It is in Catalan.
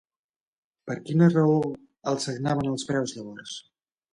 Per quina raó els sagnaven els peus, llavors?